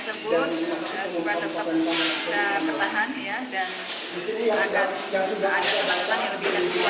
supaya tetap bisa bertahan dan akan ada teman teman yang lebih berhasil